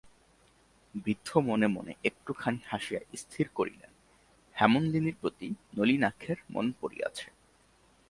বৃদ্ধ মনে মনে একটুখানি হাসিয়া স্থির করিলেন, হেমনলিনীর প্রতি নলিনাক্ষের মন পড়িয়াছে।